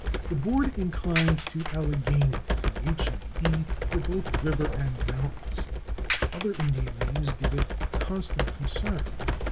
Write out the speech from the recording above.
The Board inclines to /Allegheny/ for both river and mountains. Other Indian names give it constant concern.